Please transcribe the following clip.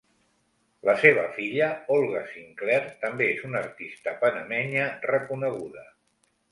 La seva filla Olga Sinclair també és una artista panamenya reconeguda.